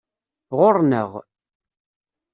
Ɣurren-aɣ.